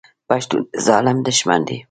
پښتون د ظالم دښمن دی.